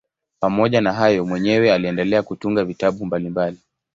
Pamoja na hayo mwenyewe aliendelea kutunga vitabu mbalimbali.